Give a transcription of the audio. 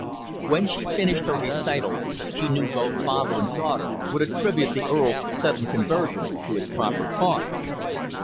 When she finished her recital, she knew both father and daughter would attribute the Earl's sudden conversion to its proper cause.